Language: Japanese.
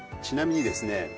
ちなみにですね